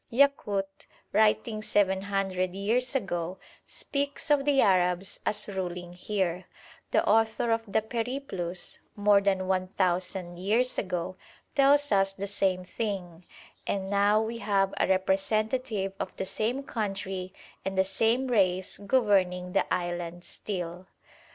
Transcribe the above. Yakut, writing seven hundred years ago, speaks of the Arabs as ruling here; the author of the 'Periplus' more than one thousand years ago tells us the same thing; and now we have a representative of the same country and the same race governing the island still.